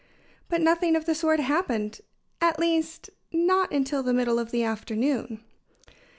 But nothing of the sort happened at least, not until the middle of the afternoon.